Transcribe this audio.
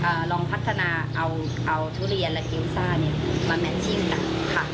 ก็เลยลองพัฒนาเอาทุเรียนและเกี๊ยวซ่ามาแมทชิมกันค่ะ